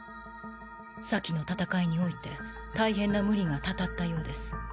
先の戦いにおいて大変な無理が祟ったようです。